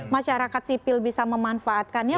masyarakat sipil bisa memanfaatkannya